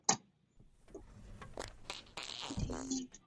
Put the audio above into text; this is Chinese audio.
相传这棵树是菩提伽耶摩诃菩提树南枝衍生出来的。